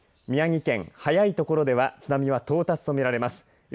宮城県、早い所では津波を到達とみられます。